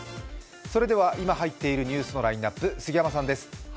それでは今入っているニュースのラインナップ、杉山さんです。